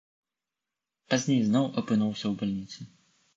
Пазней зноў апынуўся ў бальніцы.